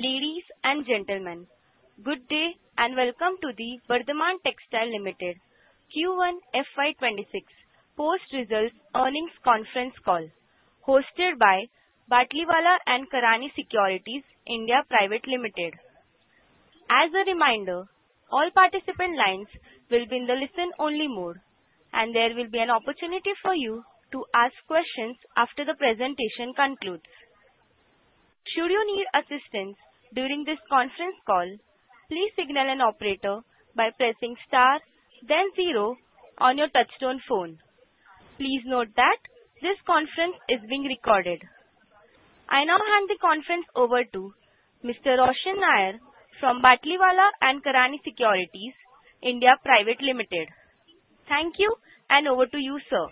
Ladies and Gentlemen, good day and welcome to the Vardhman Textiles Limited Q1 FY 2026 Post Results Earnings Conference Call, hosted by Batlivala & Karani Securities India Pvt. Ltd. As a reminder, all participant lines will be in the listen-only mode, and there will be an opportunity for you to ask questions after the presentation concludes. Should you need assistance during this conference call, please signal an operator by pressing star then zero on your touchtone phone. Please note that this conference is being recorded. I now hand the conference over to Mr. Roshan Nair from Batlivala & Karani Securities India Pvt. Ltd. Thank you, and over to you, sir.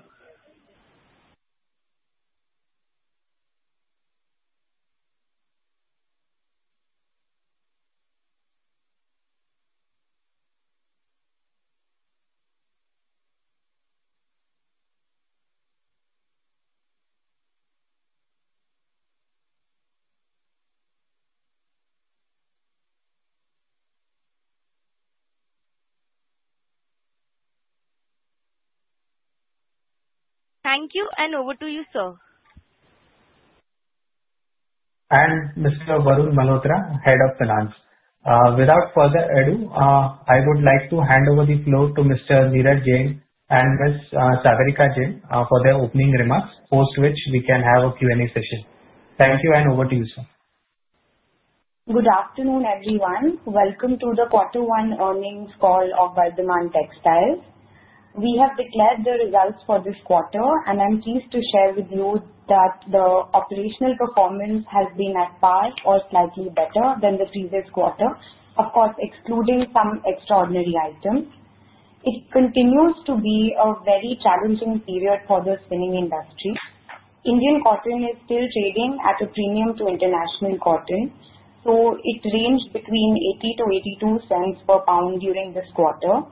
Thank you, and over to you, sir. Mr. Varun Malhotra, Head of Finance. Without further ado, I would like to hand over the floor to Mr. Neeraj Jain and Ms. Sagarika Jain for their opening remarks, post which we can have a Q&A session. Thank you, and over to you, sir. Good afternoon, everyone. Welcome to the Q1 Earnings Call of Vardhman Textiles. We have declared the results for this quarter, and I'm pleased to share with you that the operational performance has been at par or slightly better than the previous quarter, of course excluding some extraordinary items. It continues to be a very challenging period for the spinning industry. Indian cotton is still trading at a premium to international cotton, so it ranged between $0.80-$0.82 per pound during this quarter,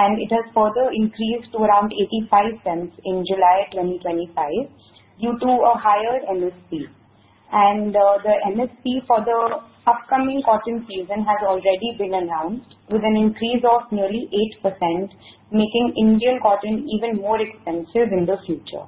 and it has further increased to around $0.85 in July 2025 due to a higher MSP, and the MSP for the upcoming cotton season has already been announced, with an increase of nearly 8%, making Indian cotton even more expensive in the future.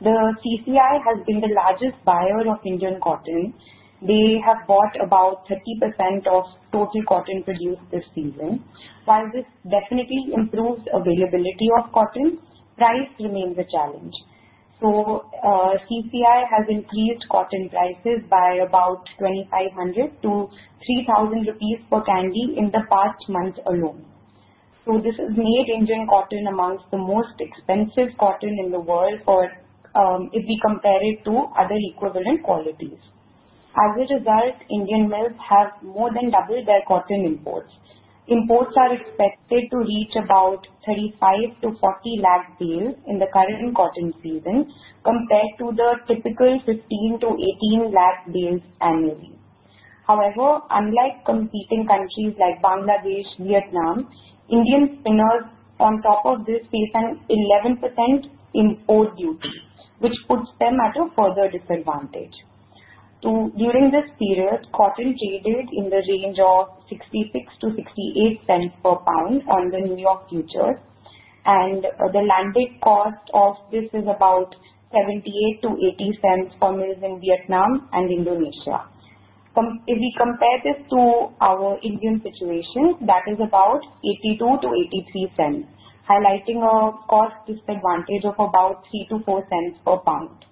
The CCI has been the largest buyer of Indian cotton. They have bought about 30% of total cotton produced this season. While this definitely improves availability of cotton, price remains a challenge. So CCI has increased cotton prices by about 2,500-3,000 rupees per candy in the past month alone. So, this has made Indian cotton among the most expensive cotton in the world if we compare it to other equivalent qualities. As a result, Indian mills have more than doubled their cotton imports. Imports are expected to reach about 35 lakh-40 lakh bales in the current cotton season, compared to the typical 15 lakh-18 lakh bales annually. However, unlike competing countries like Bangladesh, Vietnam, Indian spinners on top of this face an 11% import duty, which puts them at a further disadvantage. During this period, cotton traded in the range of $0.66-$0.68 per pound on the New York futures, and the landed cost of this is about $0.78-$0.80 for mills in Vietnam and Indonesia. If we compare this to our Indian situation, that is about $0.82-$0.83, highlighting a cost disadvantage of about $0.03-$0.04 per pound.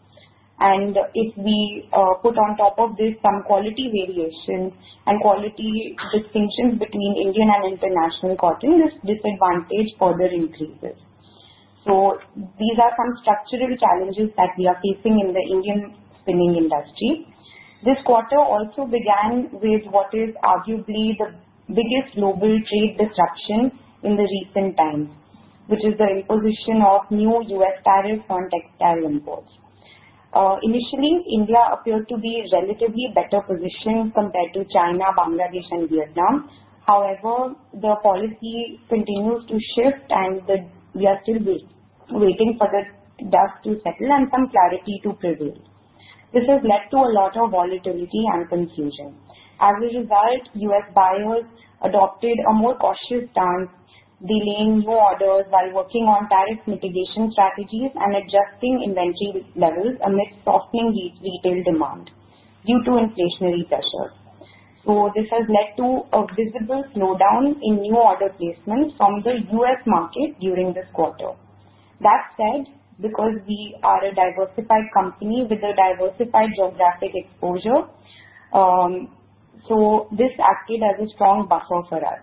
And if we put on top of this some quality variation and quality distinctions between Indian and international cotton, this disadvantage further increases. So these are some structural challenges that we are facing in the Indian spinning industry. This quarter also began with what is arguably the biggest global trade disruption in the recent times, which is the imposition of new U.S. tariffs on textile imports. Initially, India appeared to be relatively better positioned compared to China, Bangladesh, and Vietnam. However, the policy continues to shift, and we are still waiting for the dust to settle and some clarity to prevail. This has led to a lot of volatility and confusion. As a result, U.S. buyers adopted a more cautious stance, delaying new orders while working on tariff mitigation strategies and adjusting inventory levels amid softening retail demand due to inflationary pressures. So this has led to a visible slowdown in new order placements from the U.S. market during this quarter. That said, because we are a diversified company with a diversified geographic exposure, so this acted as a strong buffer for us.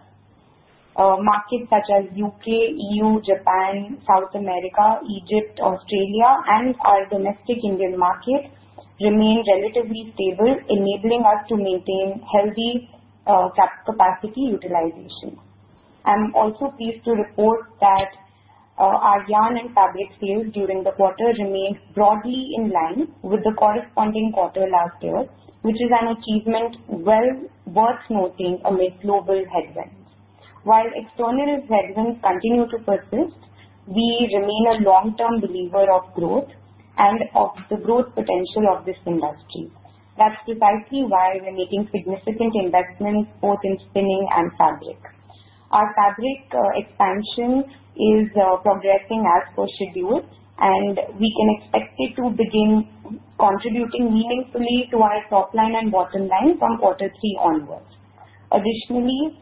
Markets such as U.K., EU, Japan, South America, Egypt, Australia, and our domestic Indian market remain relatively stable, enabling us to maintain healthy capacity utilization. I'm also pleased to report that our yarn and fabric sales during the quarter remained broadly in line with the corresponding quarter last year, which is an achievement well worth noting amid global headwinds. While external headwinds continue to persist, we remain a long-term believer of growth and of the growth potential of this industry. That's precisely why we're making significant investments both in spinning and fabric. Our fabric expansion is progressing as per schedule, and we can expect it to begin contributing meaningfully to our top line and bottom line from quarter three onwards. Additionally,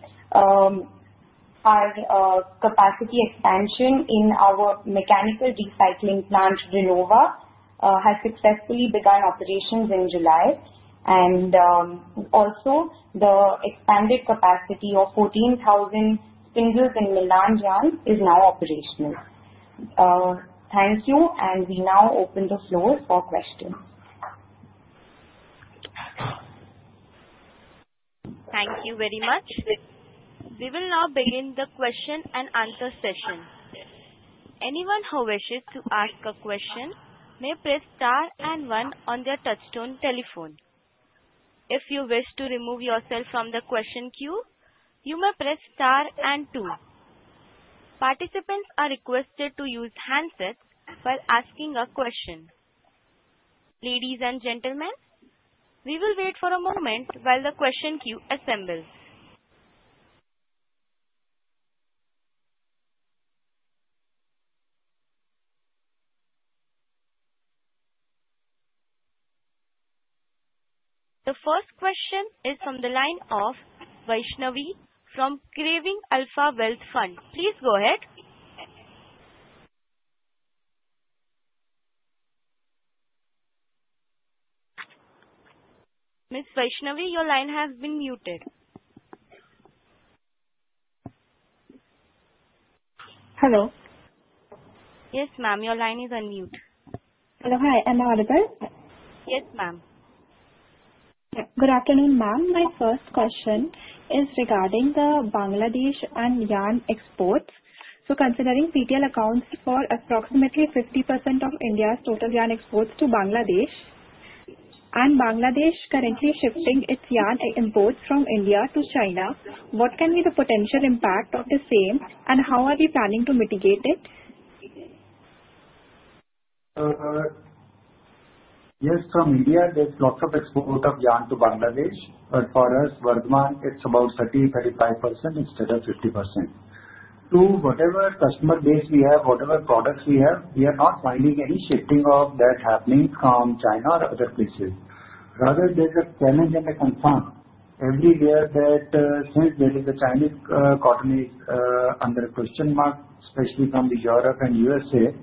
our capacity expansion in our mechanical recycling plant, ReNova, has successfully begun operations in July, and also, the expanded capacity of 14,000 spindles in melange yarn is now operational. Thank you, and we now open the floor for questions. Thank you very much. We will now begin the question and answer session. Anyone who wishes to ask a question may press star and one on their touchtone telephone. If you wish to remove yourself from the question queue, you may press star and two. Participants are requested to use handsets while asking a question. Ladies and Gentlemen, we will wait for a moment while the question queue assembles. The first question is from the line of Vaishnavi from Craving Alpha Wealth Fund. Please go ahead. Ms. Vaishnavi, your line has been muted. Hello. Yes, ma'am, your line is unmute. Hello, hi. Am I audible? Yes, ma'am. Yeah, good afternoon, ma'am. My first question is regarding the Bangladesh and yarn exports. So considering retail accounts for approximately 50% of India's total yarn exports to Bangladesh, and Bangladesh currently shifting its yarn imports from India to China, what can be the potential impact of the same, and how are we planning to mitigate it? Yes, from India, there's lots of export of yarn to Bangladesh, but for us, Vardhman, it's about 30%-35% instead of 50%. To whatever customer base we have, whatever products we have, we are not finding any shifting of that happening from China or other places. Rather, there's a challenge and a concern everywhere that since there is a Chinese cotton is under question mark, especially from Europe and USA.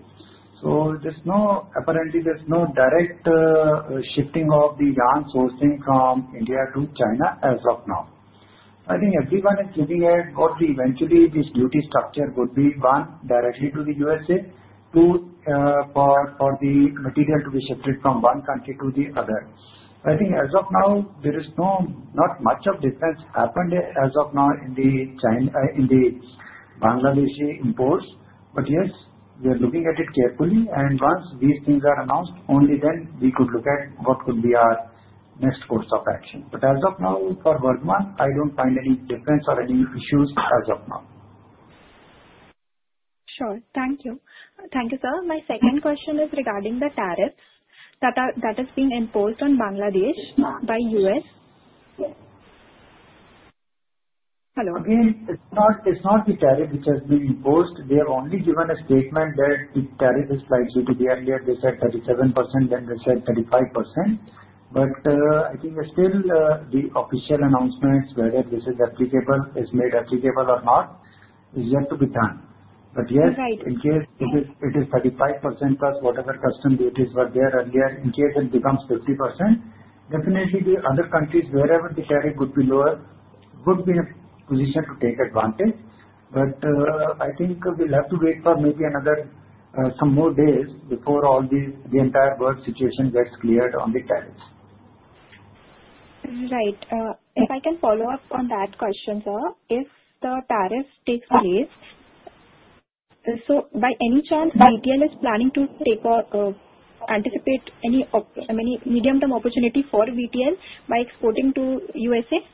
So there's no, apparently, there's no direct shifting of the yarn sourcing from India to China as of now. I think everyone is looking at what eventually this duty structure would be, one, directly to the USA, two, for the material to be shifted from one country to the other. I think as of now, there is not much of difference happened as of now in the Bangladeshi imports. But yes, we are looking at it carefully, and once these things are announced, only then we could look at what could be our next course of action. But as of now, for Vardhman, I don't find any difference or any issues as of now. Sure, thank you. Thank you, sir. My second question is regarding the tariffs that have been imposed on Bangladesh by U.S. Hello. Again, it's not the tariff which has been imposed. They have only given a statement that the tariff is likely to be earlier. They said 37%, then they said 35%. But I think still the official announcements, whether this is applicable, is made applicable or not, is yet to be done. But yes, in case it is 35% plus whatever customs duties were there earlier, in case it becomes 50%, definitely the other countries, wherever the tariff would be lower, would be in a position to take advantage. But I think we'll have to wait for maybe another some more days before the entire world situation gets cleared on the tariffs. Right. If I can follow up on that question, sir, if the tariff takes place, so by any chance, VTL is planning to take or anticipate any medium-term opportunity for VTL by exporting to USA?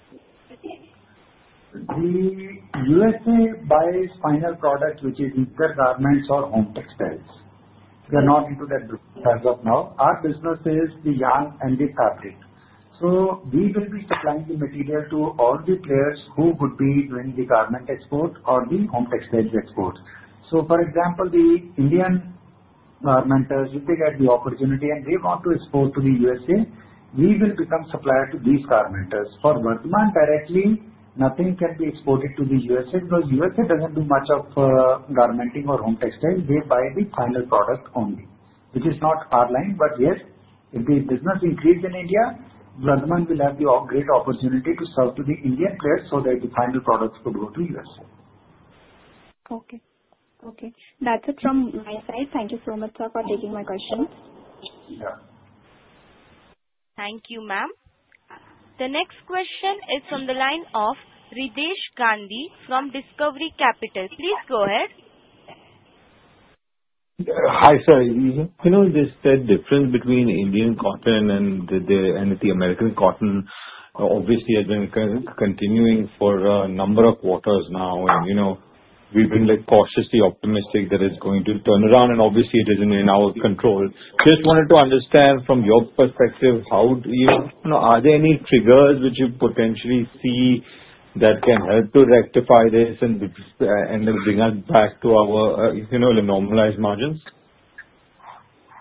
The USA buys final products, which is either garments or home textiles. We are not into that business as of now. Our business is the yarn and the fabric, so we will be supplying the material to all the players who would be doing the garment export or the home textiles export. For example, the Indian garmenters, if they get the opportunity and they want to export to the USA, we will become supplier to these garmenters. For Vardhman directly, nothing can be exported to the USA because USA doesn't do much of garmenting or home textiles. They buy the final product only, which is not our line, but yes, if the business increase in India, Vardhman will have the great opportunity to serve to the Indian players so that the final products could go to USA. Okay, okay. That's it from my side. Thank you so much, sir, for taking my question. Yeah. Thank you, ma'am. The next question is from the line of Riddhesh Gandhi from Discovery Capital. Please go ahead. Hi, sir. You know there's a difference between Indian cotton and the American cotton. Obviously, it's been continuing for a number of quarters now, and we've been cautiously optimistic that it's going to turn around, and obviously, it isn't in our control. Just wanted to understand from your perspective, are there any triggers which you potentially see that can help to rectify this and bring us back to our normalized margins?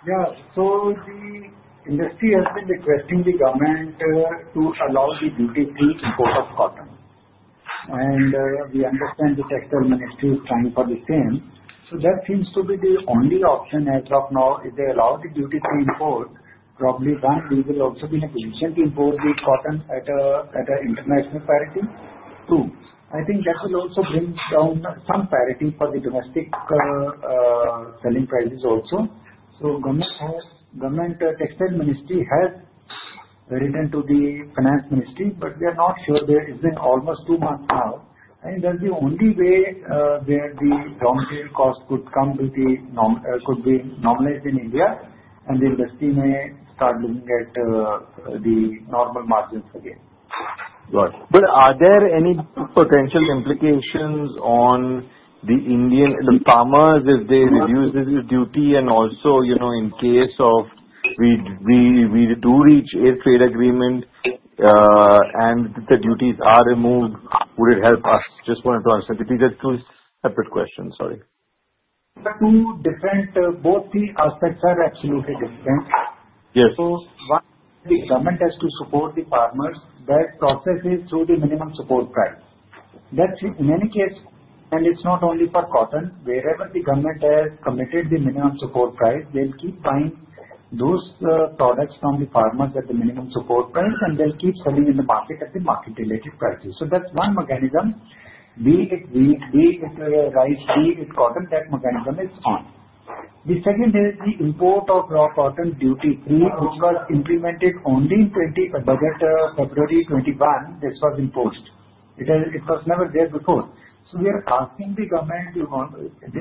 Yeah, so the industry has been requesting the government to allow the duty-free import of cotton, and we understand the textile ministry is trying for the same, so that seems to be the only option as of now. If they allow the duty-free import, probably then we will also be in a position to import the cotton at an international parity. Two, I think that will also bring down some parity for the domestic selling prices also, so government textile ministry has written to the finance ministry, but we are not sure. It's been almost two months now. I think that's the only way where the long-term cost could come to be normalized in India, and the industry may start looking at the normal margins again. Right, but are there any potential implications on the farmers if they reduce this duty? And also, in case we do reach a trade agreement and the duties are removed, would it help us? Just wanted to understand. It is two separate questions, sorry. But two different. Both the aspects are absolutely different. Yes. So one, the government has to support the farmers. That process is through the minimum support price. That's in any case, and it's not only for cotton. Wherever the government has committed the minimum support price, they'll keep buying those products from the farmers at the minimum support price, and they'll keep selling in the market at the market-related prices. So that's one mechanism. Be it wheat, be it rice, be it cotton, that mechanism is on. The second is the import of raw cotton duty-free, which was implemented only in February 2021. This was imposed. It was never there before. So we are asking the government,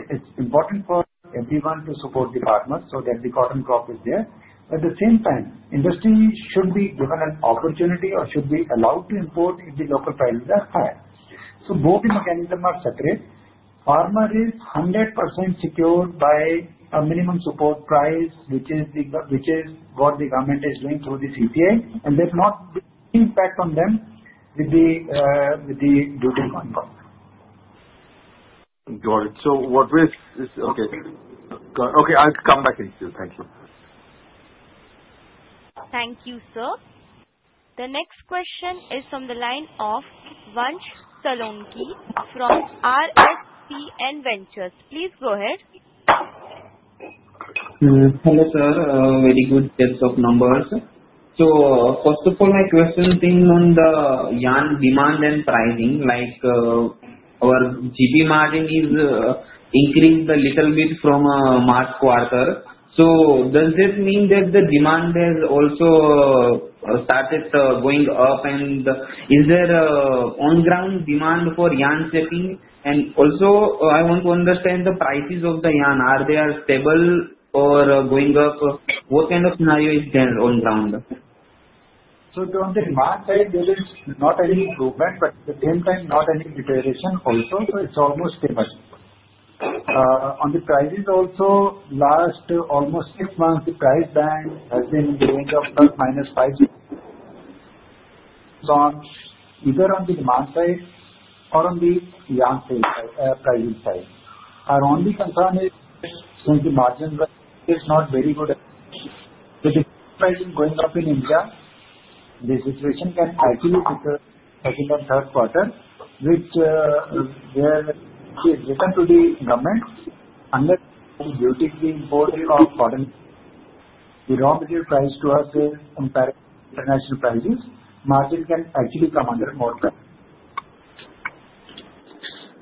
it's important for everyone to support the farmers so that the cotton crop is there. At the same time, industry should be given an opportunity or should be allowed to import if the local prices are higher. So both the mechanisms are separate. Farmer is 100% secured by a minimum support price, which is what the government is doing through the CCI, and there's not any impact on them with the duty crop. Got it. So what was okay. Okay, I'll come back in soon. Thank you. Thank you, sir. The next question is from the line of Vansh Solanki from RSPN Ventures. Please go ahead. Hello, sir. Very good sets of numbers. So first of all, my question being on the yarn demand and pricing. Our GP margin is increased a little bit from March quarter. So does this mean that the demand has also started going up? And is there on-ground demand for yarn setting? And also, I want to understand the prices of the yarn. Are they stable or going up? What kind of scenario is there on-ground? On the demand side, there is not any improvement, but at the same time, not any deterioration also. It's almost the same. On the prices also, last almost six months, the price band has been in the range of plus minus five. Either on the demand side or on the yarn pricing side, our only concern is since the margin is not very good. With the pricing going up in India, the situation can actually deteriorate in the second and third quarter, which is written to the government. Under the duty-free import of cotton, the raw material price to us is compared to international prices. Margin can actually come under more than.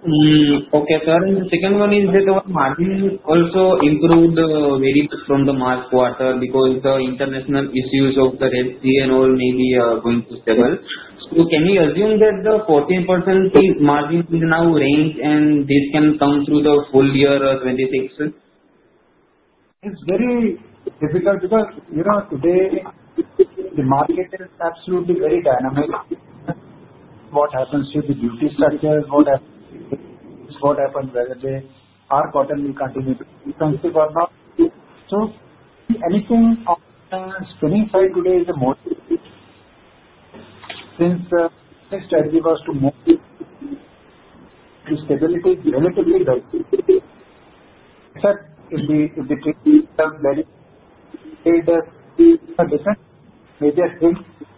Okay, sir. The second one is that our margin also improved very much from the March quarter because the international issues of the Red Sea and all may be going to stabilize. So can we assume that the 14% margin will now range and this can come through the full year 2026? It's very difficult because today, the market is absolutely very dynamic. What happens to the duty structures, what happens to the prices, what happens whether our cotton will continue to be expensive or not, so anything on the spinning side today is a motive. Since the strategy was to move to stability, relatively good. Except if the trade becomes very stable, a different major thing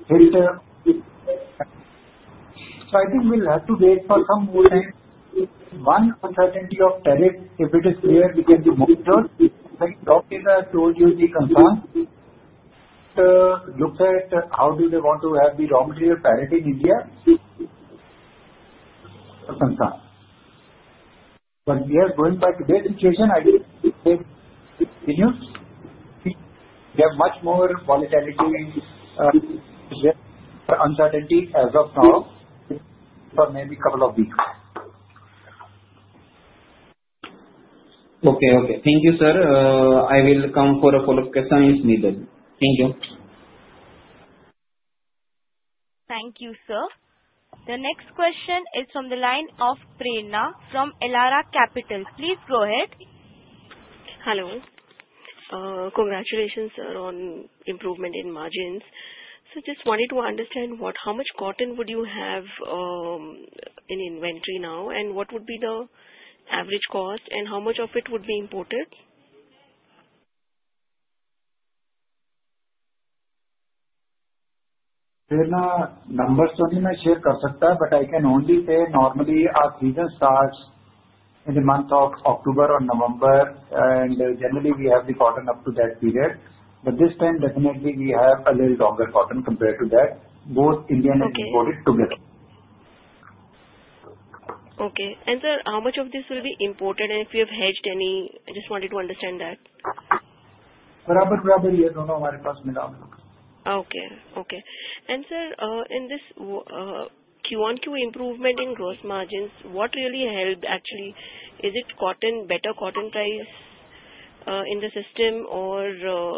hit. I think we'll have to wait for some more time, so one uncertainty of tariff, if it is clear, we can be moved to. I think directors have told you the concern. Look at how do they want to have the raw material parity in India, but yes, going by today's situation, I think it continues. We have much more volatility and uncertainty as of now for maybe a couple of weeks. Okay, okay. Thank you, sir. I will come for a follow-up question if needed. Thank you. Thank you, sir. The next question is from the line of Prerna from Elara Capital. Please go ahead. Hello. Congratulations, sir, on improvement in margins. So just wanted to understand how much cotton would you have in inventory now, and what would be the average cost, and how much of it would be imported? Prerna, numbers only may share Karshakta, but I can only say normally our season starts in the month of October or November, and generally we have the cotton up to that period. But this time, definitely we have a little longer cotton compared to that. Both Indian and imported together. Okay. And sir, how much of this will be imported, and if you have hedged any? I just wanted to understand that. Bravo, bravo. Yeah, no, no, my response is bravo. Okay, okay. And sir, in this Q1Q improvement in gross margins, what really helped actually? Is it better cotton price in the system or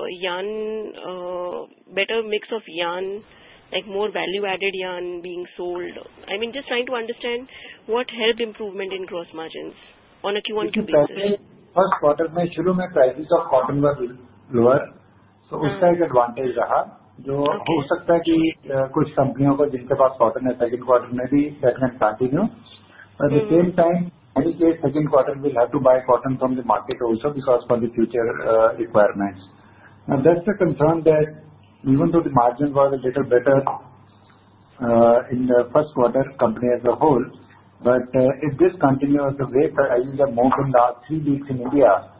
better mix of yarn, like more value-added yarn being sold? I mean, just trying to understand what helped improvement in gross margins on a Q1Q basis. First quarter, when I showed you my prices of cotton were lower, so it's like an advantage there was. So it's like that. Sometimes there are some companies that have cotton in the second quarter, maybe that can continue. But at the same time, in any case, second quarter, we'll have to buy cotton from the market also because of the future requirements. Now, that's the concern that even though the margins were a little better in the first quarter, company as a whole, but if this continues the way prices have moved in the last three weeks in India,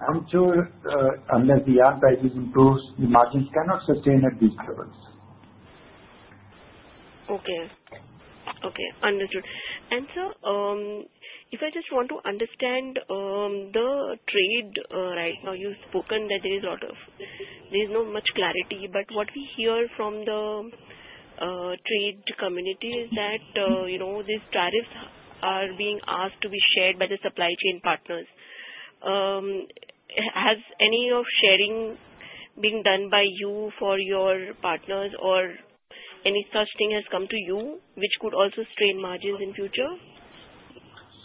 I'm sure unless the yarn prices improve, the margins cannot sustain at these levels. Okay, okay. Understood. And sir, if I just want to understand the trade right now, you've spoken that there is not much clarity, but what we hear from the trade community is that these tariffs are being asked to be shared by the supply chain partners. Has any of sharing being done by you for your partners or any such thing has come to you which could also strain margins in future?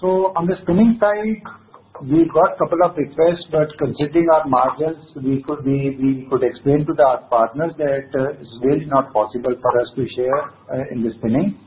So on the spinning side, we've got a couple of requests, but considering our margins, we could explain to our partners that it's really not possible for us to share in the spinning.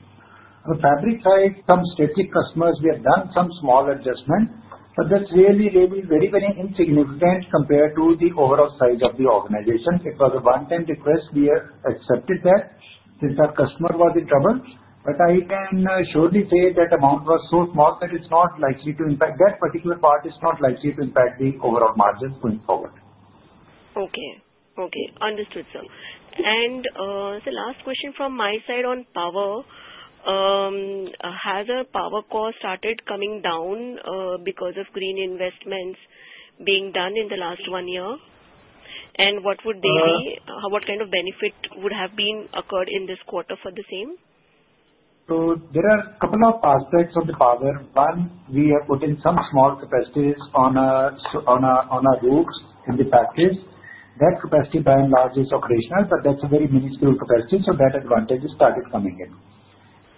On the fabric side, some static customers, we have done some small adjustments, but that's really very, very insignificant compared to the overall size of the organization. It was a one-time request. We have accepted that since our customer was in trouble. But I can surely say that amount was so small that it's not likely to impact that particular part. It's not likely to impact the overall margins going forward. Okay, okay. Understood, sir. And the last question from my side on power. Has a power cost started coming down because of green investments being done in the last one year? And what would they be? What kind of benefit would have occurred in this quarter for the same? So there are a couple of aspects of the power. One, we have put in some small capacities on our roofs in the plants. That capacity, by and large, is operational, but that's a very minuscule capacity, so that advantage has started coming in.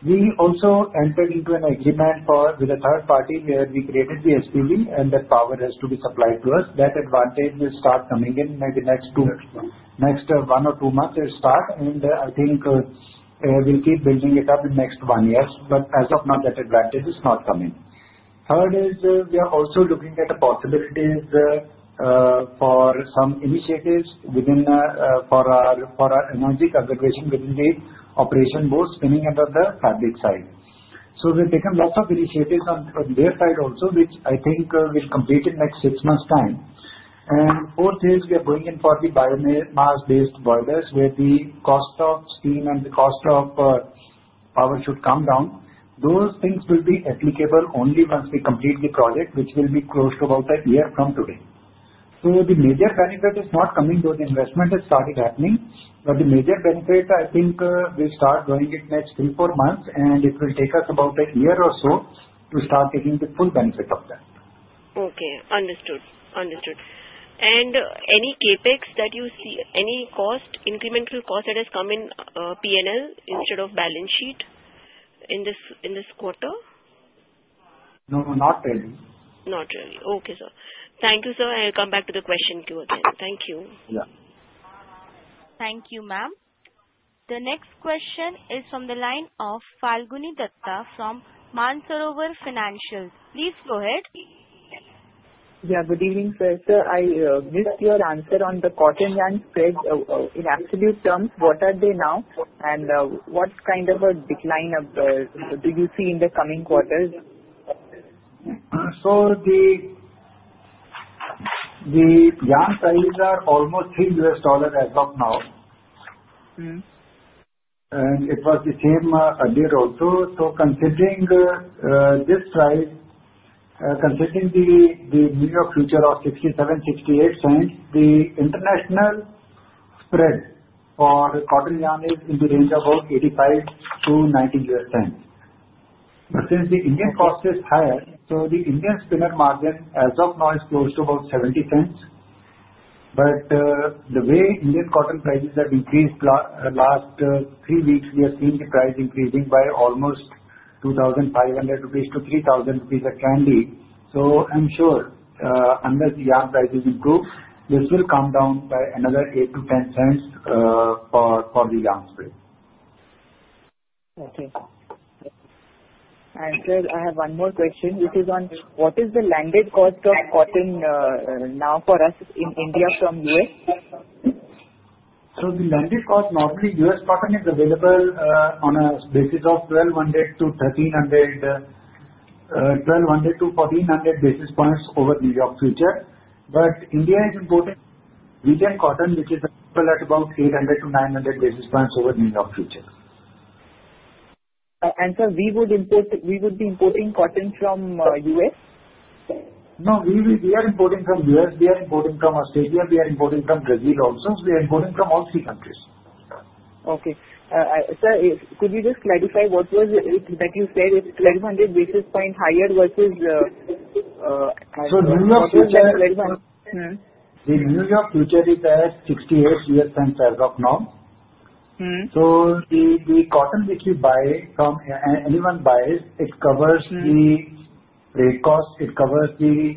We also entered into an agreement with a third party where we created the SPV, and that power has to be supplied to us. That advantage will start coming in maybe next two months. Next one or two months, it will start, and I think we'll keep building it up in the next one year. But as of now, that advantage is not coming. Third is we are also looking at the possibilities for some initiatives for our energy conservation within the operation, both spinning and on the fabric side. We've taken lots of initiatives on their side also, which I think will complete in the next six months' time. And fourth is we are going in for the biomass-based boilers where the cost of steam and the cost of power should come down. Those things will be applicable only once we complete the project, which will be close to about a year from today. The major benefit is not coming though. The investment has started happening, but the major benefit, I think, will start going in the next three, four months, and it will take us about a year or so to start taking the full benefit of that. Okay. Understood. Understood. And any CapEx that you see, any incremental cost that has come in P&L instead of balance sheet in this quarter? No, not really. Not really. Okay, sir. Thank you, sir. I'll come back to the question queue again. Thank you. Yeah. Thank you, ma'am. The next question is from the line of Falguni Dutta from Mansarovar Financial. Please go ahead. Yeah, good evening, sir. Sir, I missed your answer on the cotton yarn spread. In absolute terms, what are they now, and what kind of a decline do you see in the coming quarters? So the yarn prices are almost $3 as of now, and it was the same a year or so. So considering this price, considering the New York future of $0.6768, the international spread for cotton yarn is in the range of about $0.85-$0.90. But since the Indian cost is higher, so the Indian spinner margin as of now is close to about $0.70. But the way Indian cotton prices have increased last three weeks, we have seen the price increasing by almost 2,500-3,000 rupees a candy. So I'm sure unless the yarn prices improve, this will come down by another $0.08-$0.10 for the yarn spread. Okay. Sir, I have one more question, which is on what is the landed cost of cotton now for us in India from the U.S.? The landed cost, normally US cotton is available on a basis of 1,200-1,300, 1,200-1,400 basis points over New York futures. But India is importing regional cotton, which is available at about 800-900 basis points over New York futures. Sir, we would be importing cotton from the US? No, we are importing from the U.S. We are importing from Australia. We are importing from Brazil also. We are importing from all three countries. Okay. Sir, could you just clarify what was that you said is 1,200 basis points higher versus? New York futures. 1,200. The New York future is at $0.68 as of now. So the cotton which you buy from anyone buys, it covers the rate cost, it covers the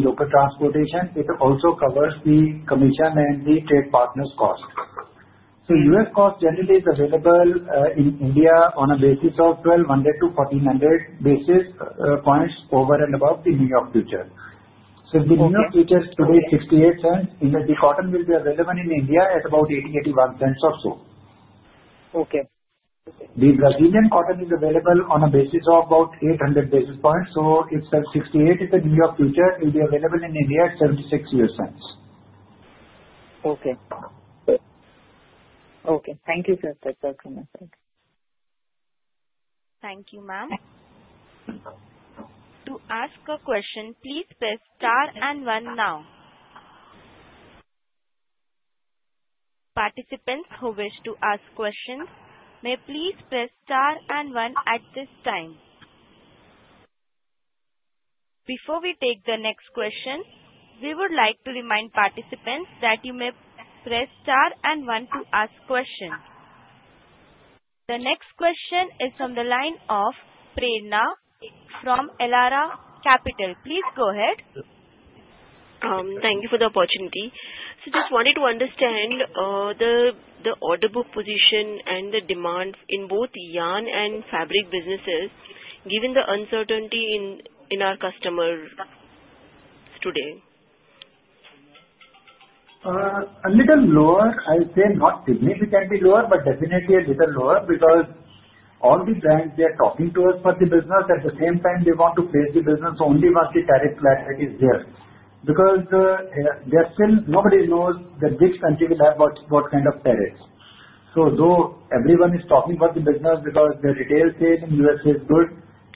local transportation, it also covers the commission and the trade partners' cost. So U.S. cost generally is available in India on a basis of 1,200-1,400 basis points over and above the New York future. So the New York future today is $0.68. The cotton will be available in India at about $0.80-$0.81 or so. Okay. The Brazilian cotton is available on a basis of about 800 basis points, so it's at $0.68. The New York future will be available in India at $0.76. Okay. Okay. Thank you, sir. That's all from my side. Thank you, ma'am. To ask a question, please press star and one now. Participants who wish to ask questions, may please press star and one at this time. Before we take the next question, we would like to remind participants that you may press star and one to ask questions. The next question is from the line of Prerna from Elara Capital. Please go ahead. Thank you for the opportunity. So just wanted to understand the order book position and the demand in both yarn and fabric businesses given the uncertainty in our customers today? A little lower. I'll say not significantly lower, but definitely a little lower because all the brands, they are talking to us for the business. At the same time, they want to place the business only once the tariff clarity is there because nobody knows which country will have what kind of tariffs. So though everyone is talking about the business because the retail sale in the U.S. is good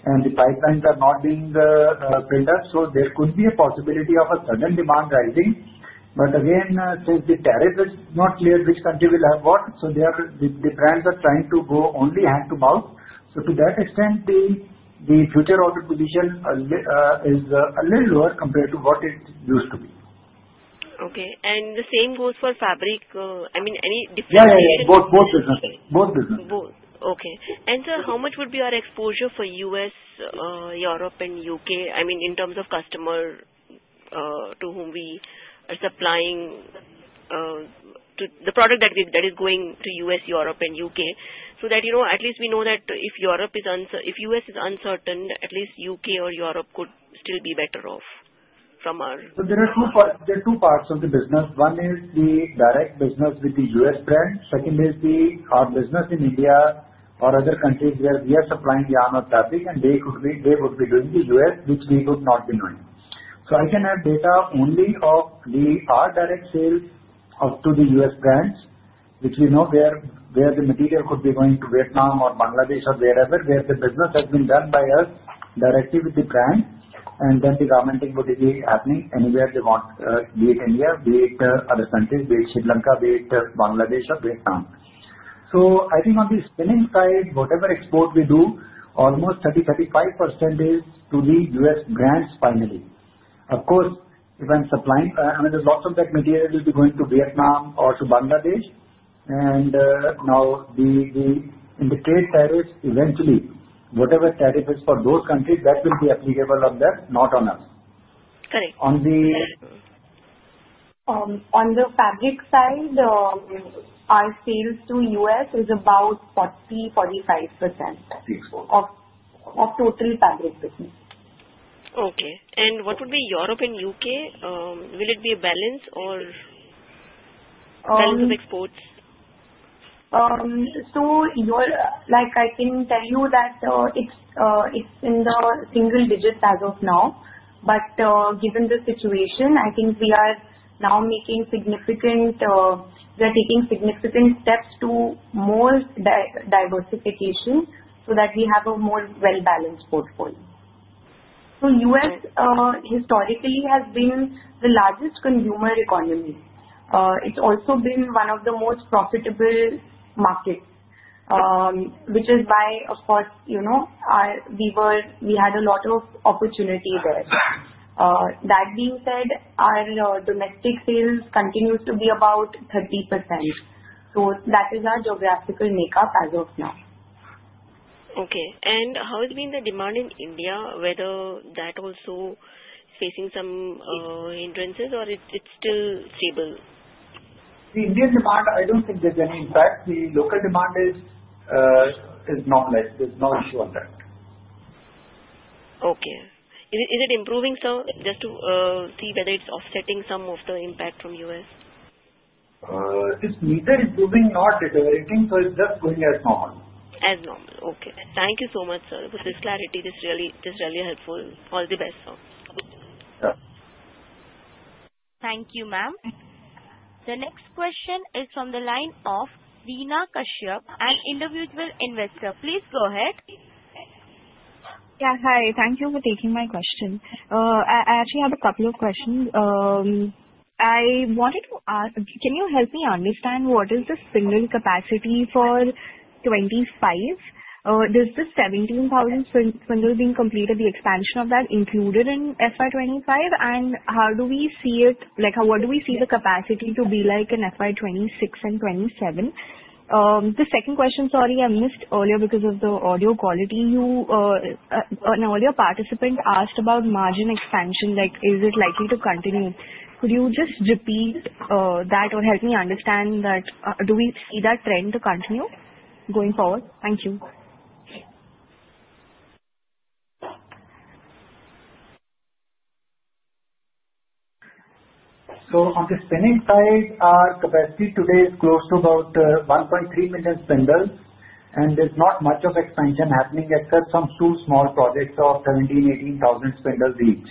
and the pipelines are not being filled up, so there could be a possibility of a sudden demand rising. But again, since the tariff is not clear which country will have what, so the brands are trying to go only hand-to-mouth. So to that extent, the future order position is a little lower compared to what it used to be. Okay. And the same goes for fabric. I mean, any different? Yeah, yeah, yeah. Both businesses. Both businesses. Both. Okay. And sir, how much would be our exposure for U.S., Europe, and U.K.? I mean, in terms of customers to whom we are supplying the product that is going to U.S., Europe, and U.K., so that at least we know that if U.S. is uncertain, at least U.K. or Europe could still be better off from our. So there are two parts of the business. One is the direct business with the U.S. brand. Second is our business in India or other countries where we are supplying yarn or fabric, and they would be doing the U.S., which we would not be doing. So I can have data only of our direct sales to the U.S. brands, which we know where the material could be going to Vietnam or Bangladesh or wherever where the business has been done by us directly with the brand, and then the garmenting would be happening anywhere they want, be it India, be it other countries, be it Sri Lanka, be it Bangladesh, or Vietnam. So I think on the spinning side, whatever export we do, almost 30%-35% is to the U.S. brands finally. Of course, if I'm supplying lots of that material, it will be going to Vietnam or to Bangladesh. And now, in the trade tariffs, eventually, whatever tariff is for those countries, that will be applicable on them, not on us. Correct. On the. On the fabric `side, our sales to U.S. is about 40%-45% of total fabric business. Okay, and what would be Europe and UK? Will it be a balance or balance of exports? I can tell you that it's in the single digits as of now. But given the situation, I think we are now taking significant steps to more diversification so that we have a more well-balanced portfolio. The U.S. historically has been the largest consumer economy. It's also been one of the most profitable markets, which is why, of course, we had a lot of opportunity there. That being said, our domestic sales continues to be about 30%. That is our geographical makeup as of now. Okay. And how has been the demand in India? Whether that also facing some hindrances or it's still stable? The Indian demand, I don't think there's any impact. The local demand is normalized. There's no issue on that. Okay. Is it improving, sir? Just to see whether it's offsetting some of the impact from U.S.? It's neither improving nor deteriorating, so it's just going as normal. As normal. Okay. Thank you so much, sir, for this clarity. This is really helpful. All the best, sir. Yeah. Thank you, ma'am. The next question is from the line of Veena Kaseja, an individual investor. Please go ahead. Yeah, hi. Thank you for taking my question. I actually have a couple of questions. I wanted to ask, can you help me understand what is the spindle capacity for 2025? Does the 17,000 spindles being completed, the expansion of that, included in FY 2025? And how do we see it? What do we see the capacity to be like in FY 2026 and 2027? The second question, sorry, I missed earlier because of the audio quality. An earlier participant asked about margin expansion. Is it likely to continue? Could you just repeat that or help me understand that? Do we see that trend to continue going forward? Thank you. On the spinning side, our capacity today is close to about 1.3 million spindles, and there's not much of expansion happening except some two small projects of 17,000, 18,000 spindles each.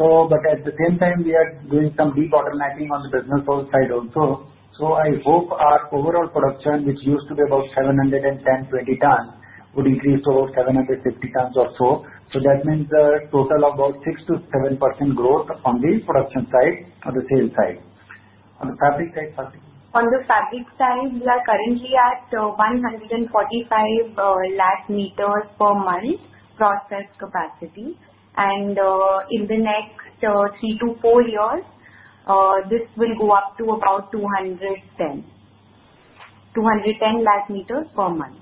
But at the same time, we are doing some deep automating on the business side also. I hope our overall production, which used to be about 710-720 tons, would increase to about 750 tons or so. That means a total of about 6%-7% growth on the production side on the sales side. On the fabric side, sorry. On the fabric side, we are currently at 145 lakh meters per month process capacity. And in the next three to four years, this will go up to about 210 lakh meters per month.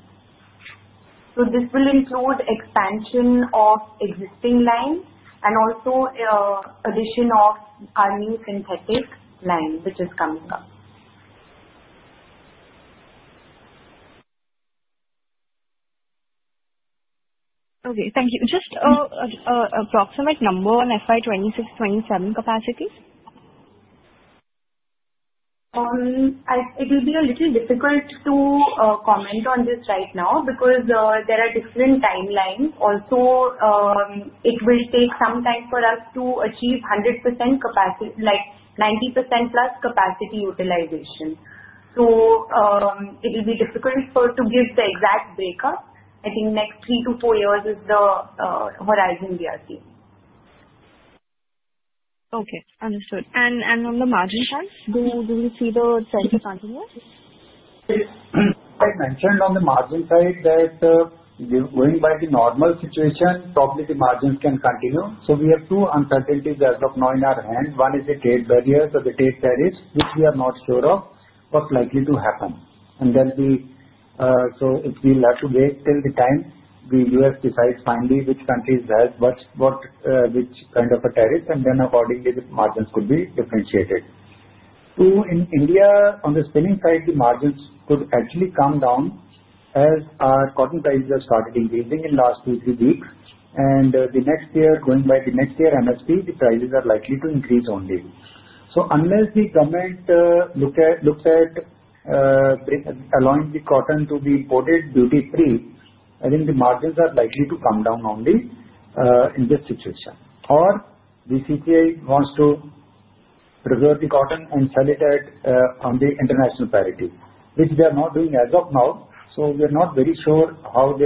So this will include expansion of existing line and also addition of our new synthetic line which is coming up. Okay. Thank you. Just an approximate number on FY 2026, 2027 capacity? It will be a little difficult to comment on this right now because there are different timelines. Also, it will take some time for us to achieve 100% capacity, like 90% plus capacity utilization. So it will be difficult to give the exact breakup. I think next three to four years is the horizon we are seeing. Okay. Understood, and on the margin side, do we see the trend to continue? I mentioned on the margin side that going by the normal situation, probably the margins can continue, so we have two uncertainties as of now in our hand. One is the trade barrier, so the trade tariffs, which we are not sure of what's likely to happen, and then we will have to wait till the time the U.S. decides finally which countries have which kind of a tariff, and then accordingly, the margins could be differentiated. In India, on the spinning side, the margins could actually come down as our cotton prices have started increasing in the last two, three weeks, and the next year, going by the next year MSP, the prices are likely to increase only, so unless the government looks at allowing the cotton to be imported duty-free, I think the margins are likely to come down only in this situation. Or the CCI wants to preserve the cotton and sell it on the international parity, which they are not doing as of now. So we are not very sure what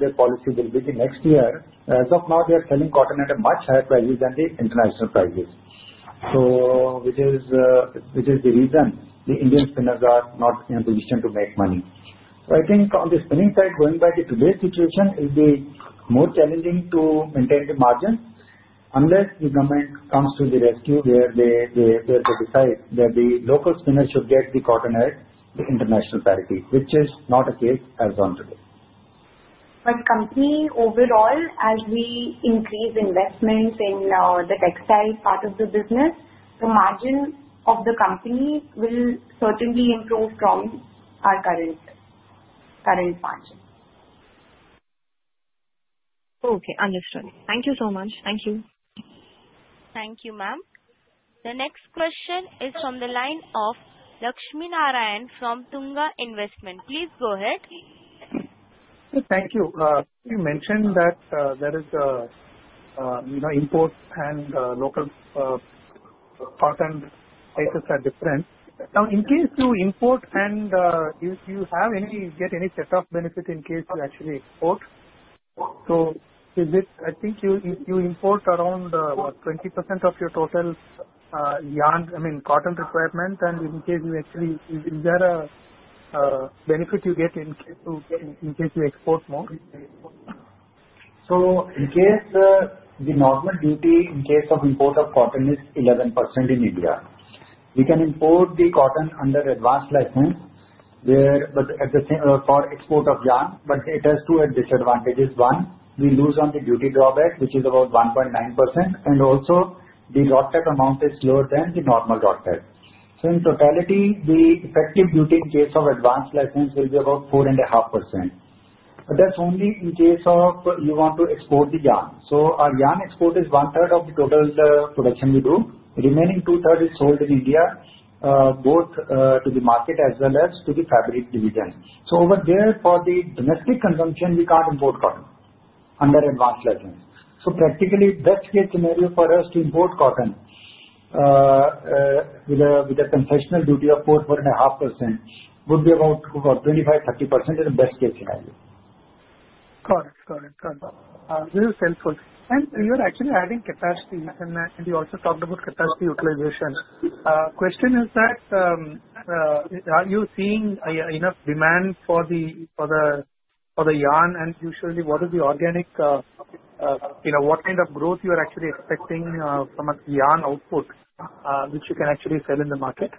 their policy will be the next year. As of now, they are selling cotton at a much higher price than the international prices, which is the reason the Indian spinners are not in a position to make money. So I think on the spinning side, going by the today's situation, it will be more challenging to maintain the margins unless the government comes to the rescue where they decide that the local spinners should get the cotton at the international parity, which is not the case as of today. But company overall, as we increase investments in the textile part of the business, the margin of the company will certainly improve from our current margin. Okay. Understood. Thank you so much. Thank you. Thank you, ma'am. The next question is from the line of Lakshminarayan from Tunga Investments. Please go ahead. Thank you. You mentioned that there is the import and local cotton prices are different. Now, in case you import and you get any setup benefit in case you actually export, so I think you import around 20% of your total yarn, I mean, cotton requirement. And in case you actually, is there a benefit you get in case you export more? So, in case the normal duty in case of import of cotton is 11% in India. We can import the cotton under Advance License for export of yarn, but it has two disadvantages. One, we lose on the Duty Drawback, which is about 1.9%, and also the RoDTEP amount is lower than the normal RoDTEP. So, in totality, the effective duty in case of Advance License will be about 4.5%. But that's only in case of you want to export the yarn. So, our yarn export is one-third of the total production we do. The remaining two-thirds is sold in India, both to the market as well as to the fabric division. So over there, for the domestic consumption, we can't import cotton under Advance License. So practically, best-case scenario for us to import cotton with a concessional duty of 4.5% would be about 25%-30% in the best-case scenario. Got it. Got it. Got it. This is helpful, and you're actually adding capacity, and you also talked about capacity utilization. Question is, are you seeing enough demand for the yarn, and usually, what is the organic what kind of growth you are actually expecting from a yarn output which you can actually sell in the market?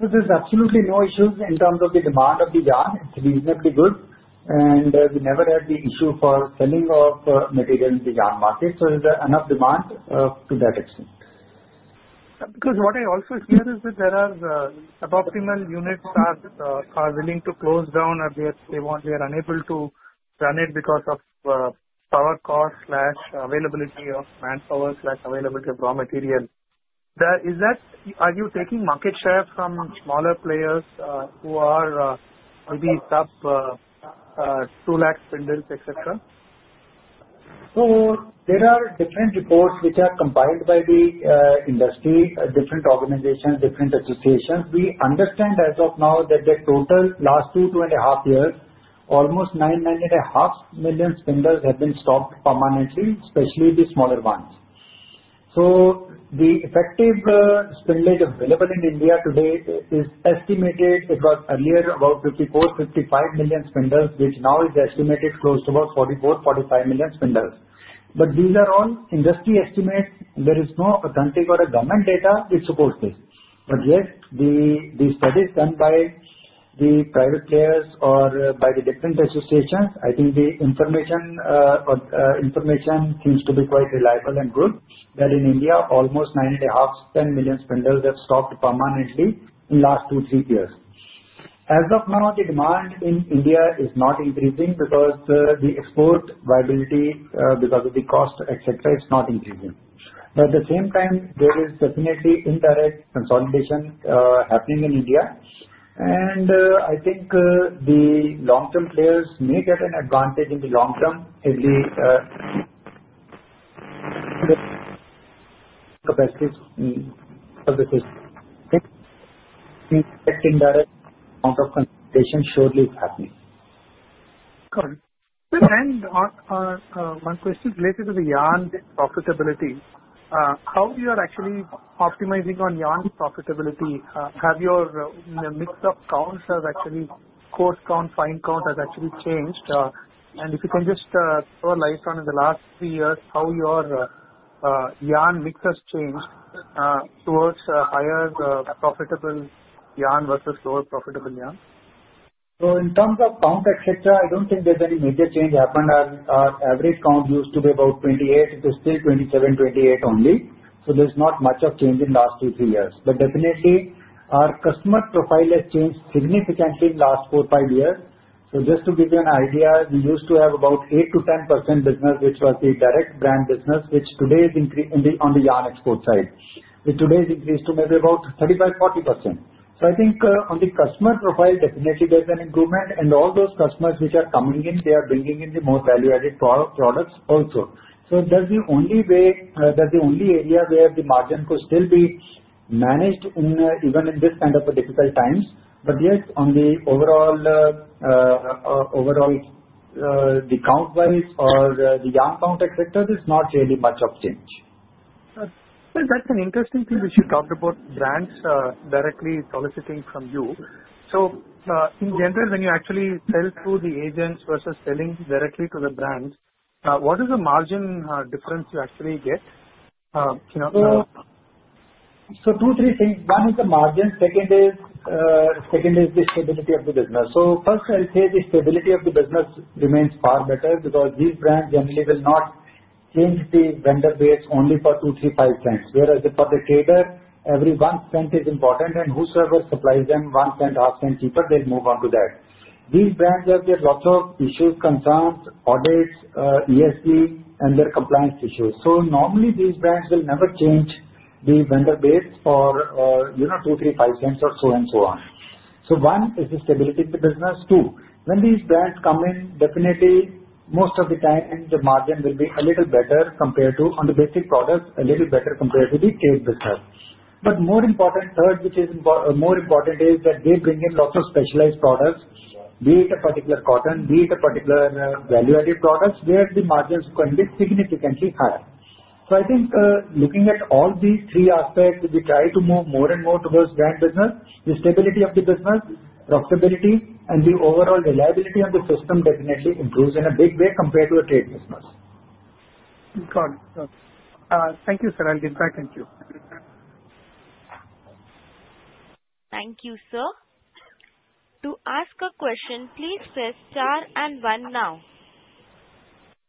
There's absolutely no issues in terms of the demand of the yarn. It's reasonably good, and we never had the issue for selling of material in the yarn market. So there's enough demand to that extent. Because what I also hear is that there are suboptimal units are willing to close down, or they are unable to run it because of power cost, availability of manpower, and availability of raw material. Are you taking market share from smaller players who are maybe sub two lakh spindles, etc.? There are different reports which are compiled by the industry, different organizations, different associations. We understand as of now that the total last two, two and a half years, almost nine-9.5 million spindles have been stopped permanently, especially the smaller ones. The effective spindleage available in India today is estimated. It was earlier about 54-55 million spindles, which now is estimated close to about 44-45 million spindles. These are all industry estimates. There is no authentic or government data which supports this. Yet, the studies done by the private players or by the different associations, I think the information seems to be quite reliable and good that in India, almost 9.5-10 million spindles have stopped permanently in the last two, three years. As of now, the demand in India is not increasing because the export viability, because of the cost, etc., is not increasing. But at the same time, there is definitely indirect consolidation happening in India. And I think the long-term players may get an advantage in the long term if the capacity of the system is kept indirect. Amount of consolidation surely is happening. Got it. One question related to the yarn profitability. How are you actually optimizing on yarn profitability? Have your mix of counts actually coarse count, fine count has actually changed? And if you can just shed light on in the last three years, how your yarn mix has changed towards higher profitable yarn versus lower profitable yarn? In terms of count, etc., I don't think there's any major change happened. Our average count used to be about 28. It is still 27-28 only. There's not much of change in the last two, three years. But definitely, our customer profile has changed significantly in the last four, five years. Just to give you an idea, we used to have about 8%-10% business, which was the direct brand business, which today is on the yarn export side. Today it increased to maybe about 35%-40%. I think on the customer profile, definitely there's an improvement. And all those customers which are coming in, they are bringing in the more value-added products also. That's the only way, that's the only area where the margin could still be managed even in this kind of difficult times. But yet, on the overall, the count-wise or the yarn count, etc., there's not really much of change. That's an interesting thing which you talked about, brands directly soliciting from you. So in general, when you actually sell through the agents versus selling directly to the brands, what is the margin difference you actually get? Two, three things. One is the margin. Second is the stability of the business. First, I'll say the stability of the business remains far better because these brands generally will not change the vendor base only for two, three, five cents. Whereas for the trader, every one cent is important, and whosoever supplies them one cent, half cent cheaper, they'll move on to that. These brands have a lot of issues, concerns, audits, ESG, and their compliance issues. Normally, these brands will never change the vendor base for two, three, five cents or so and so on. One is the stability of the business. Two, when these brands come in, definitely, most of the time, the margin will be a little better compared to on the basic products, a little better compared to the trade business. But more important third, which is more important is that they bring in lots of specialized products, be it a particular cotton, be it a particular value-added product, where the margins can be significantly higher. So I think looking at all these three aspects, we try to move more and more towards brand business. The stability of the business, profitability, and the overall reliability of the system definitely improves in a big way compared to a trade business. Got it. Got it. Thank you, sir. I'll get back to you. Thank you, sir. To ask a question, please press star and one now.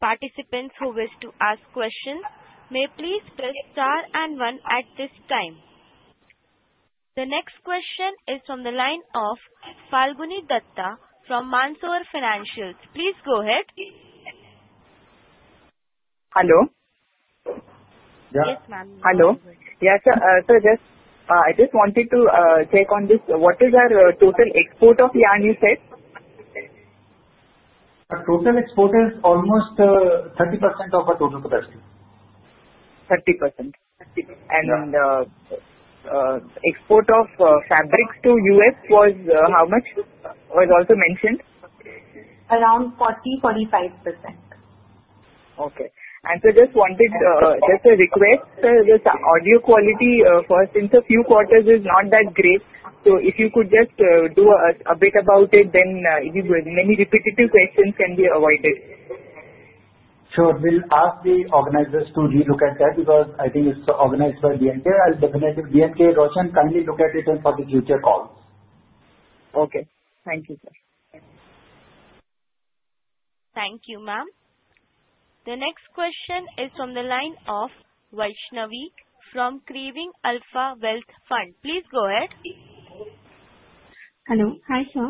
Participants who wish to ask questions may please press star and one at this time. The next question is from the line of Falguni Dutta from Mansarovar Financial. Please go ahead. Hello. Yes, ma'am. Hello. Yes, sir. So I just wanted to check on this. What is our total export of yarn, you said? Total export is almost 30% of our total capacity. 30%. And export of fabrics to U.S. was how much? Was also mentioned? Around 40%-45%. Okay. And so just wanted a request. This audio quality for since a few quarters is not that great. So if you could just do a bit about it, then many repetitive questions can be avoided. Sure. We'll ask the organizers to re-look at that because I think it's organized by BNK. I'll definitely BNK, Roshan, kindly look at it for the future calls. Okay. Thank you, sir. Thank you, ma'am. The next question is from the line of Vaishnavi from Craving Alpha Wealth Fund. Please go ahead. Hello. Hi, sir.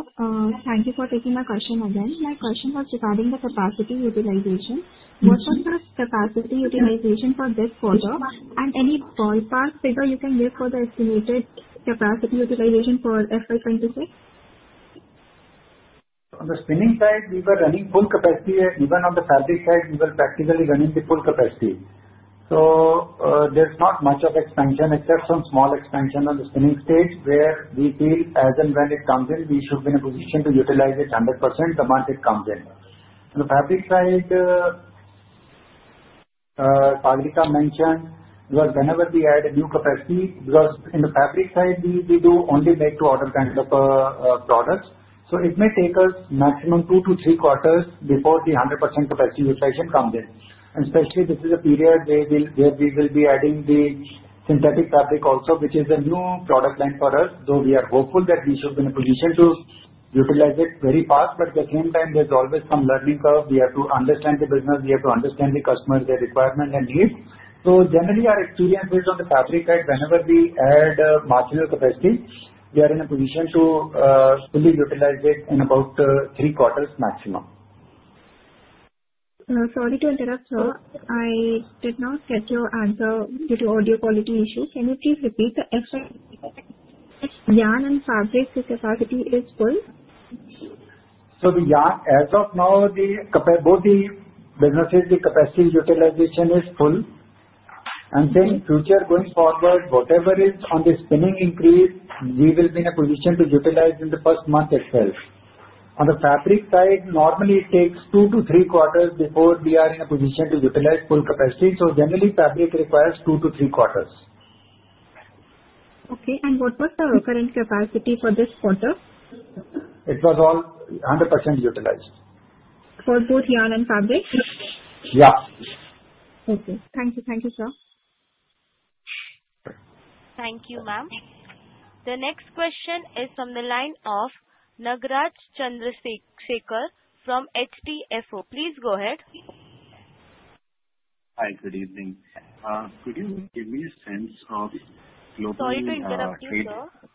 Thank you for taking my question again. My question was regarding the capacity utilization. What was the capacity utilization for this quarter? And any ballpark figure you can give for the estimated capacity utilization for FY 2026? On the spinning side, we were running full capacity. Even on the fabric side, we were practically running the full capacity. So there's not much of expansion except some small expansion on the spinning stage where we feel as and when it comes in, we should be in a position to utilize it 100% the month it comes in. On the fabric side, Sagarika mentioned, whenever we add a new capacity because in the fabric side, we do only make to-order kinds of products. So it may take us maximum two to three quarters before the 100% capacity utilization comes in. And especially, this is a period where we will be adding the synthetic fabric also, which is a new product line for us, though we are hopeful that we should be in a position to utilize it very fast. But at the same time, there's always some learning curve. We have to understand the business. We have to understand the customers, their requirements, and needs. So generally, our experience is on the fabric side. Whenever we add marginal capacity, we are in a position to fully utilize it in about three quarters maximum. Sorry to interrupt, sir. I did not get your answer due to audio quality issue. Can you please repeat the FY 2026 yarn and fabric capacity is full? So the yarn as of now, both the businesses, the capacity utilization is full. And then future going forward, whatever is on the spinning increase, we will be in a position to utilize in the first month itself. On the fabric side, normally it takes two to three quarters before we are in a position to utilize full capacity. So generally, fabric requires two to three quarters. Okay, and what was the current capacity for this quarter? It was all 100% utilized. For both yarn and fabric? Yeah. Okay. Thank you. Thank you, sir. Thank you, ma'am. The next question is from the line of Nagraj Chandrasekar from HDFC. Please go ahead. Hi. Good evening. Could you give me a sense of global market? Sorry to interrupt you, sir.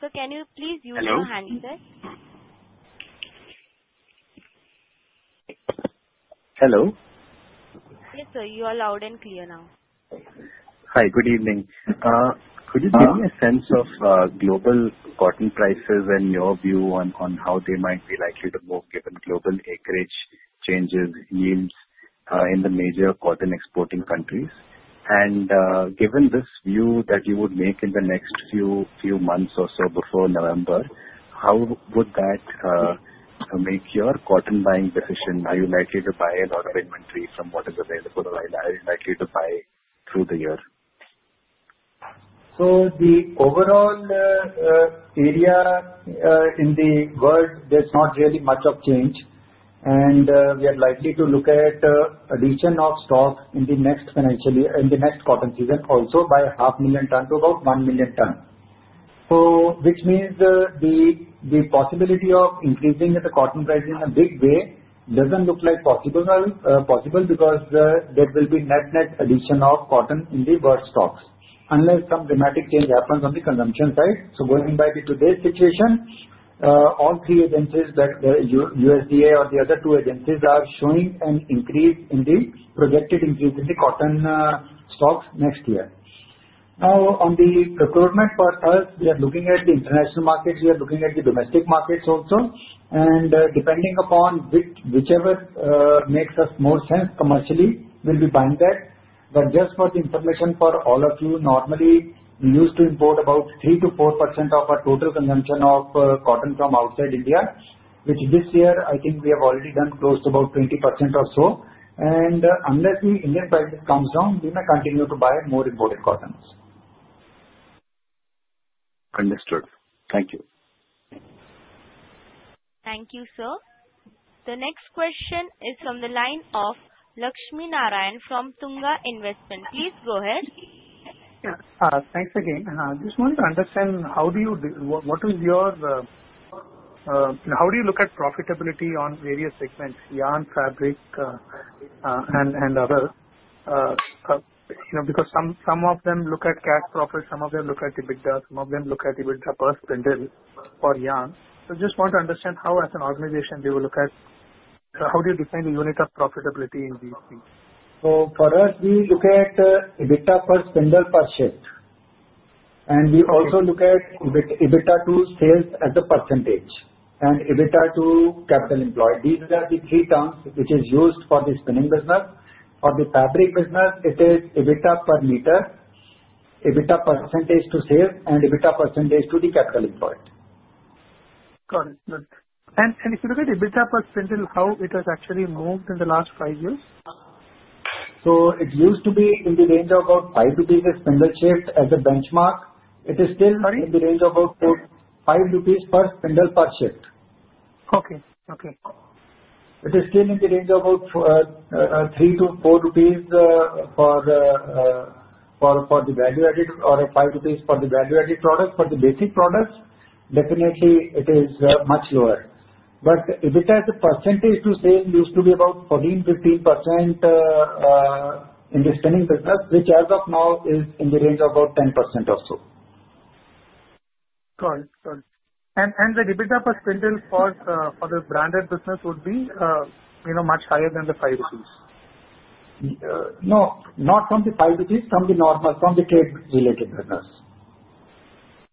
So can you please use your handset? Hello. Yes, sir. You are loud and clear now. Hi. Good evening. Could you give me a sense of global cotton prices and your view on how they might be likely to move given global acreage changes, yields in the major cotton exporting countries, and given this view that you would make in the next few months or so before November, how would that make your cotton buying decision? Are you likely to buy a lot of inventory from what is available, or are you likely to buy through the year? The overall area in the world, there's not really much of change. And we are likely to look at addition of stock in the next financial year, in the next cotton season, also by 500,000 tons to about 1 million tons, which means the possibility of increasing the cotton price in a big way doesn't look like possible because there will be net-net addition of cotton in the world stocks unless some dramatic change happens on the consumption side. So going back into this situation, all three agencies, USDA or the other two agencies, are showing an increase in the projected increase in the cotton stocks next year. Now, on the procurement part, we are looking at the international markets. We are looking at the domestic markets also. And depending upon whichever makes us more sense commercially, we'll be buying that. But just for the information for all of you, normally, we used to import about 3%-4% of our total consumption of cotton from outside India, which this year, I think we have already done close to about 20% or so. And unless the Indian price comes down, we may continue to buy more imported cottons. Understood. Thank you. Thank you, sir. The next question is from the line of Lakshminarayan from Tunga Investments. Please go ahead. Thanks again. Just wanted to understand how do you look at profitability on various segments, yarn, fabric, and other? Because some of them look at cash profit, some of them look at EBITDA, some of them look at EBITDA per spindle or yarn. So just want to understand how, as an organization, they will look at how do you define the unit of profitability in these things? For us, we look at EBITDA per spindle per shift. We also look at EBITDA to sales as a percentage and EBITDA to capital employed. These are the three terms which are used for the spinning business. For the fabric business, it is EBITDA per meter, EBITDA percentage to sales, and EBITDA percentage to the capital employed. Got it. And if you look at EBITDA per spindle, how it has actually moved in the last five years? It used to be in the range of about 5 rupees a spindle shift as a benchmark. It is still in the range of about 5 rupees per spindle per shift. Okay. Okay. It is still in the range of about 3-4 rupees for the value-added or 5 rupees for the value-added product. For the basic products, definitely, it is much lower. But EBITDA as a percentage to sales used to be about 14%-15% in the spinning business, which as of now is in the range of about 10% or so. Got it. Got it. And the EBITDA per spindle for the branded business would be much higher than the 5 rupees? No. Not from the 5 rupees, from the normal, from the trade-related business.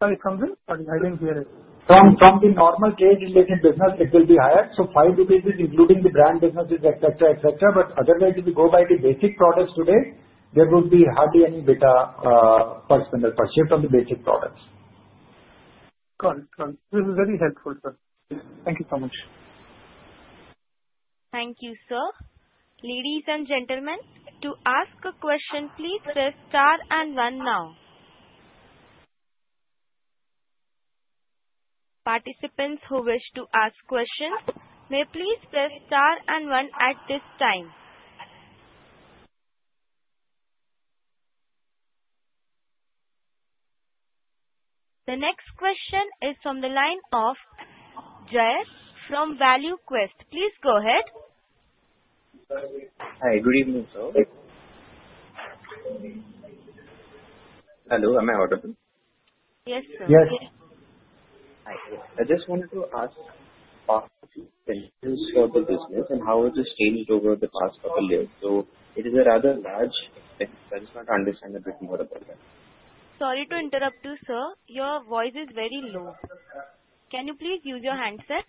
Sorry, from the? Sorry, I didn't hear it. From the normal trade-related business, it will be higher. So, 5 rupees is including the brand businesses, etc., etc. But otherwise, if you go by the basic products today, there would be hardly any EBITDA per spindle per shift on the basic products. Got it. Got it. This is very helpful, sir. Thank you so much. Thank you, sir. Ladies and gentlemen, to ask a question, please press star and one now. Participants who wish to ask questions, may please press star and one at this time. The next question is from the line of Jayesh from ValueQuest. Please go ahead. Hi. Good evening, sir. Hello. Am I audible? Yes, sir. Yes. I just wanted to ask a few questions for the business and how it has changed over the past couple of years. So, it is a rather large expense. I just want to understand a bit more about that. Sorry to interrupt you, sir. Your voice is very low. Can you please use your handset?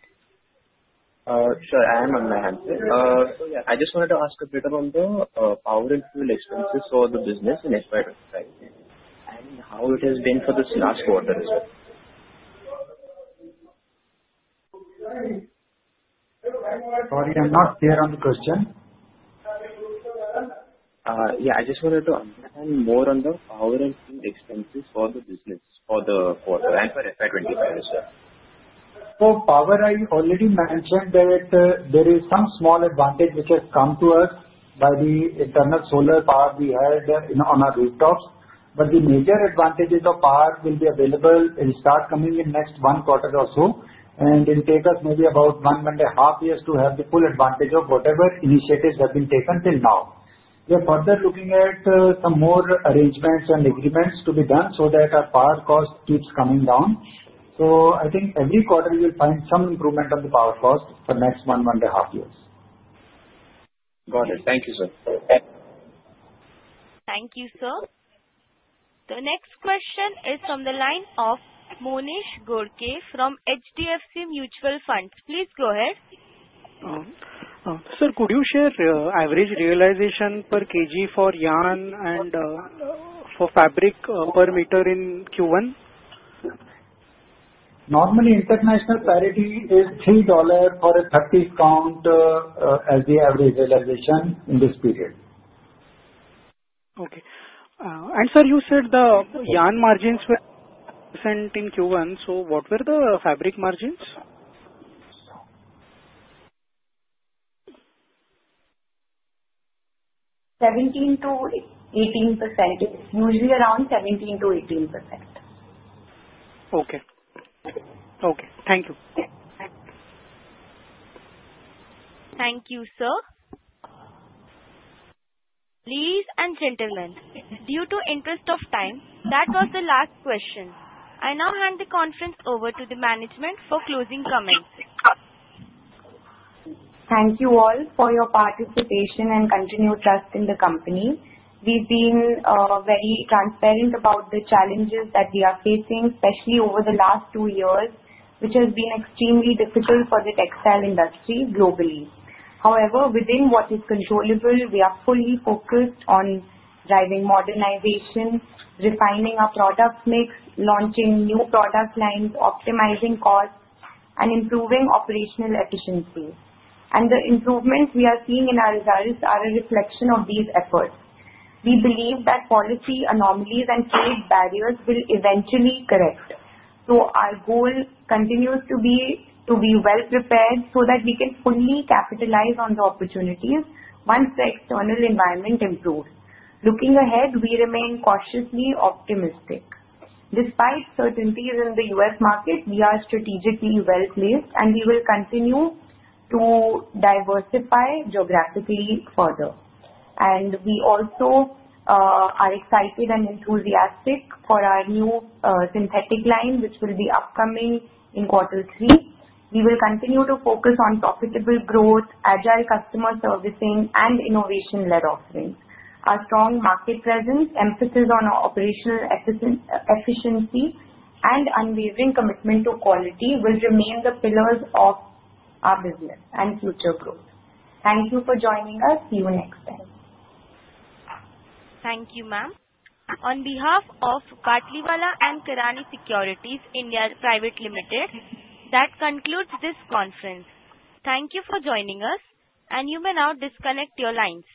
Sure. I am on my handset. I just wanted to ask a bit about the power and fuel expenses for the business in FY 2025 and how it has been for this last quarter, sir. Sorry, I'm not clear on the question. Yeah. I just wanted to understand more on the power and fuel expenses for the business for the quarter and for FY 2025, sir? So, power. I already mentioned that there is some small advantage which has come to us by the internal solar power we had on our rooftops. But the major advantages of power will be available and start coming in next one quarter or so. And it will take us maybe about one and a half years to have the full advantage of whatever initiatives have been taken till now. We are further looking at some more arrangements and agreements to be done so that our power cost keeps coming down. So, I think every quarter, you will find some improvement on the power cost for the next one and a half years. Got it. Thank you, sir. Thank you, sir. The next question is from the line of Monish Ghodke from HDFC Mutual Fund. Please go ahead. Sir, could you share average realization per kg for yarn and for fabric per meter in Q1? Normally, international parity is $3 for a 30-count as the average realization in this period. Okay. And sir, you said the yarn margins were 17% in Q1. So, what were the fabric margins? 17%-18%. It's usually around 17%-18%. Okay. Okay. Thank you. Thank you, sir. Ladies and gentlemen, in the interest of time, that was the last question. I now hand the conference over to the management for closing comments. Thank you all for your participation and continued trust in the company. We've been very transparent about the challenges that we are facing, especially over the last two years, which has been extremely difficult for the textile industry globally. However, within what is controllable, we are fully focused on driving modernization, refining our product mix, launching new product lines, optimizing costs, and improving operational efficiency. The improvements we are seeing in our results are a reflection of these efforts. We believe that policy anomalies and trade barriers will eventually correct, so our goal continues to be to be well-prepared so that we can fully capitalize on the opportunities once the external environment improves. Looking ahead, we remain cautiously optimistic. Despite uncertainties in the U.S. market, we are strategically well-placed, and we will continue to diversify geographically further. And we also are excited and enthusiastic for our new synthetic line, which will be upcoming in quarter three. We will continue to focus on profitable growth, agile customer servicing, and innovation-led offerings. Our strong market presence, emphasis on operational efficiency, and unwavering commitment to quality will remain the pillars of our business and future growth. Thank you for joining us. See you next time. Thank you, ma'am. On behalf of Batlivala & Karani Securities India Private Limited, that concludes this conference. Thank you for joining us, and you may now disconnect your lines.